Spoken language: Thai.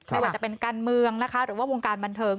ไม่ว่าจะเป็นการเมืองนะคะหรือว่าวงการบันเทิง